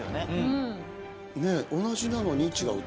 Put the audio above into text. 同じなのに違う。